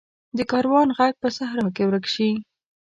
د کاروان ږغ په صحرا کې ورک شي.